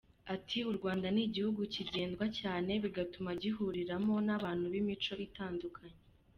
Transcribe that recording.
Ati : “u Rwanda ni igihugu kigendwa cyane, bigatuma gihuriramo n’abantu b’imico itandukanye.